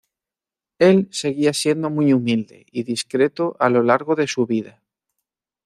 Él seguía siendo muy humilde y discreto a lo largo de su vida.